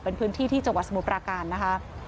เป็นพื้นที่ที่จังหวัดสมุทรปราการนะคะ